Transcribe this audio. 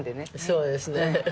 そうですね。